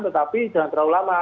tetapi jangan terlalu lama